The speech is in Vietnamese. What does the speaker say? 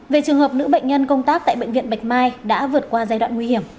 về trường hợp nữ bệnh nhân công tác tại bệnh viện bạch mai đã vượt qua giai đoạn nguy hiểm